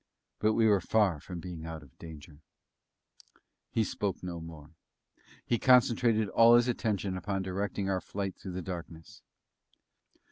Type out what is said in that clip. But we were far from being out of danger. He spoke no more. He concentrated all his attention upon directing our flight through the darkness.